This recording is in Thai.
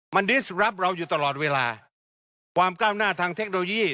มันดิสรับเราอยู่ตลอดเวลาความก้าวหน้าทางเทคโนโลยี